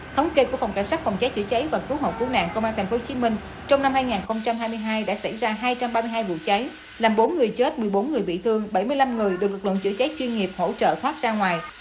thống kê của phòng cảnh sát phòng cháy chữa cháy và cứu hộ cứu nạn công an tp hcm trong năm hai nghìn hai mươi hai đã xảy ra hai trăm ba mươi hai vụ cháy làm bốn người chết một mươi bốn người bị thương bảy mươi năm người được lực lượng chữa cháy chuyên nghiệp hỗ trợ thoát ra ngoài